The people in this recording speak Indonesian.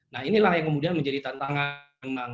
nah inilah yang kemudian menjadi tantangan